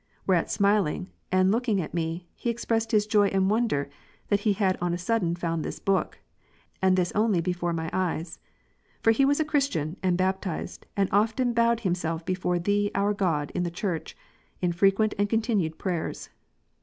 Whereat smiling, and looking at me, he expressed his joy and wonder, that he had on a sudden found this book, and this only before my eyes. For he was a Christian, and baptized, and often bowed him self before Thee our God in the Church, in frequent and continued prayers.